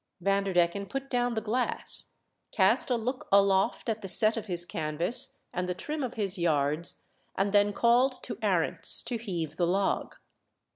Vanderdecken put down the glass, cast a look aloft at the set of his canvas and the trim of his yards, and then called to Arents to heave the log.